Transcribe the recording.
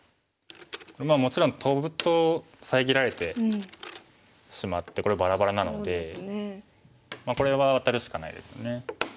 まあもちろんトブと遮られてしまってこれバラバラなのでこれはワタるしかないですよね。